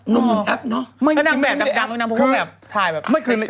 นางแบบดังนางพูดว่าแบบ